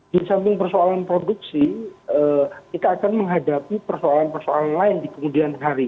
di samping persoalan produksi kita akan menghadapi persoalan persoalan lain di kemudian hari